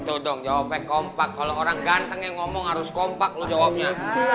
itu dong jawabannya kompak kalo orang ganteng yang ngomong harus kompak lo jawabnya